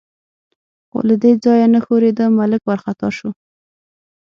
خو له دې ځایه نه ښورېده، ملک وارخطا شو.